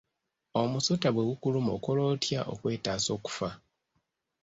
Omusota bwe gukuluma okola otya okwetaasa okufa?